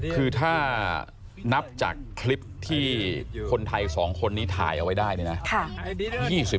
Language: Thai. คือถ้านับจากคลิปที่คนไทย๒คนนี้ถ่ายเอาไว้ได้เนี่ยนะ